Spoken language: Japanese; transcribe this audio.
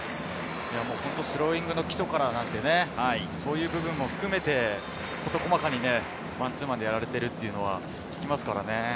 スローイングの基礎からなんでね、そういう部分も含めて事細かにマンツーマンでやられていると聞きます。